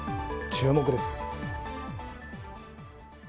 注目です。